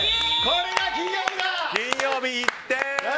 これが金曜日だ！